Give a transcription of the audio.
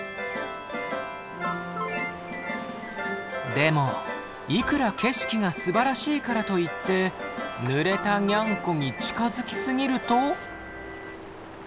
でもいくら景色がすばらしいからといってぬれたニャンコに近づき過ぎると。